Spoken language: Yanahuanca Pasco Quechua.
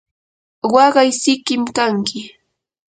waqay sikim kanki.